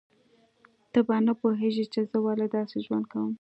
ته به نه پوهیږې چې زه ولې داسې ژوند کوم